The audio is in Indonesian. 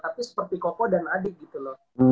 tapi seperti koko dan adik gitu loh